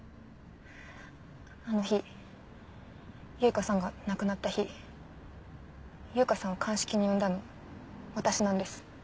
あの日悠香さんが亡くなった日悠香さんを鑑識に呼んだの私なんです。